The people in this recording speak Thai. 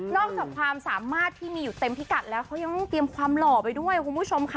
อกจากความสามารถที่มีอยู่เต็มพิกัดแล้วเขายังต้องเตรียมความหล่อไปด้วยคุณผู้ชมค่ะ